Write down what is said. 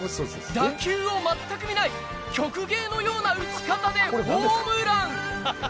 打球を全く見ない、曲芸のような打ち方でホームラン。